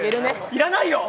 要らないよ！